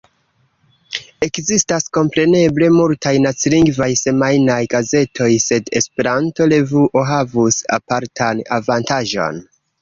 Ekzistas kompreneble multaj nacilingvaj semajnaj gazetoj, sed Esperanto-revuo havus apartan avantaĝon.